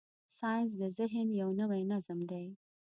ساینس د ذهن یو نوی نظم دی.